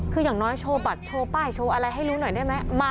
คืออย่างน้อยโชว์บัตรโชว์ป้ายโชว์อะไรให้รู้หน่อยได้ไหม